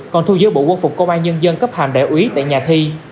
còn thu giữ bộ quân phục công an nhân dân cấp hàm đại úy tại nhà thi